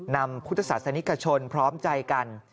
นำพุทธศาสนิกชนพร้อมใจกัน